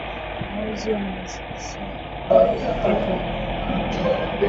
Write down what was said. mahojiano yanaweza kuwa ya papo kwa papo